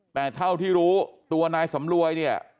แต่เท่าที่รู้ตัวนายสำรวยเนี่ย